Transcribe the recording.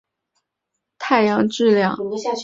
最小的超大质量黑洞约有数十万太阳质量。